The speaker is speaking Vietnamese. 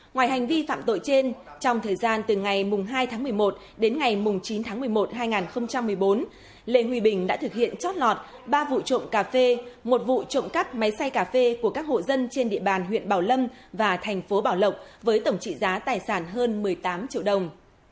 ngoài hành vi phạm tội trên trong thời gian từ ngày hai tháng một mươi một đến ngày chín tháng một mươi một hai nghìn một mươi bốn lê huy bình đã thực hiện chót lọt ba vụ trộm cà phê một vụ trộm cắp máy xay cà phê của các hộ dân trên địa bàn huyện bảo lâm và thành phố bảo lộc với tổng trị giá tài sản hơn một mươi tám triệu đồng